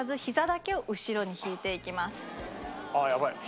ああやばい！